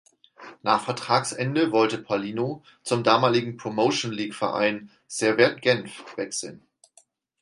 Nach Vertragsende wollte Paulinho zum damaligen Promotion League-Verein Servette Genf wechseln.